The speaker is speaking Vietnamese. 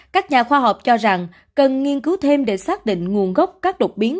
các nhà khoa học cho rằng cần nghiên cứu thêm để xác định nguồn gốc các đột biến